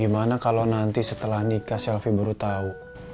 gimana kalo nanti setelah nikah si alfie baru tau